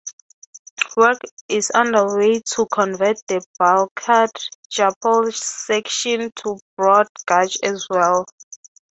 Work is underway to convert the Balaghat-Jabalpur section to broad gauge as well.